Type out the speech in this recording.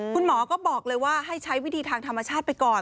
คุณหมอก็บอกเลยว่าให้ใช้วิธีทางธรรมชาติไปก่อน